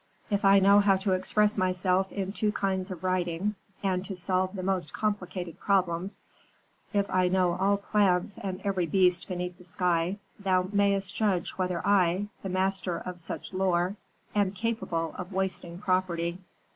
If I know how to express myself in two kinds of writing and to solve the most complicated problems, if I know all plants and every beast beneath the sky, thou mayst judge whether I, the master of such lore, am capable of wasting property.'